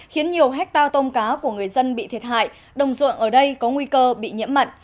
khiến nhiều hectare tôm cá của người dân bị thiệt hại đồng ruộng ở đây có nguy cơ bị nhiễm mặn